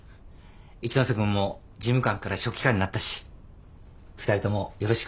一ノ瀬君も事務官から書記官になったし２人ともよろしくお願いしますよ。